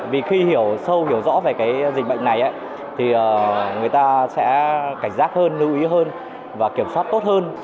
vì khi hiểu sâu hiểu rõ về cái dịch bệnh này thì người ta sẽ cảnh giác hơn lưu ý hơn và kiểm soát tốt hơn